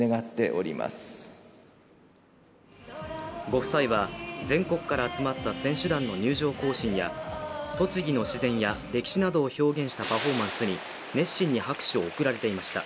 ご夫妻は、全国から集まった選手団の入場行進や栃木の自然や歴史などを表現したパフォーマンスに熱心に拍手を送られていました。